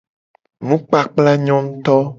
Nukpakpla nyo nguuto.